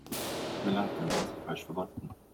Tut mir leid, dann sind Sie falsch verbunden.